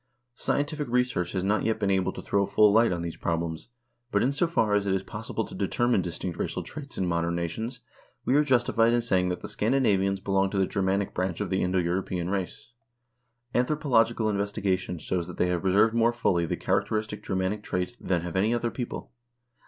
Scien tific research has not yet been able to throw full light on these prob lems, but in so far as it is possible to determine distinct racial traits in modern nations, we are justified in saying that the Scandinavians belong to the Germanic branch of the Indo European race. Anthro pological investigation shows that they have preserved more fully the characteristic Germanic traits than have any other people.